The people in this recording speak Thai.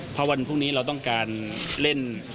เพราะวันพรุ่งนี้เราต้องการเล่น